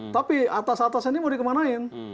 tapi atas atas ini mau dikemanain